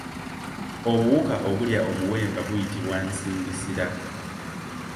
Obuwuka obulya omuwemba buyitibwa nsingisira.